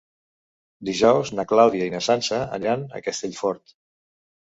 Dijous na Clàudia i na Sança aniran a Castellfort.